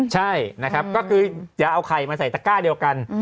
ใช่นะครับก็คือจะเอาไข่มาใส่ตะก้าเดียวกัน